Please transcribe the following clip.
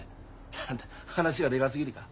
なんて話がでかすぎるか。